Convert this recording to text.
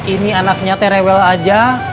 ini anaknya ate rewel aja